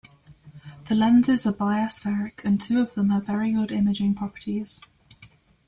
The lenses are bi-aspheric and two of them have very good imaging properties.